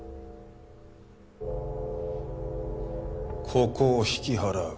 ここを引き払う。